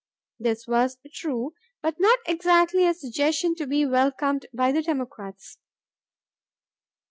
This was true, but not exactly a suggestion to be welcomed by the Democrats.